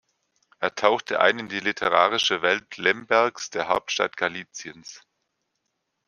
Er tauchte ein in die literarische Welt Lembergs, der Hauptstadt Galiziens.